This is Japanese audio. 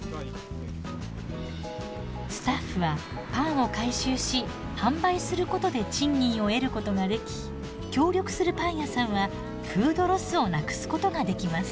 スタッフはパンを回収し販売することで賃金を得ることができ協力するパン屋さんはフードロスをなくすことができます。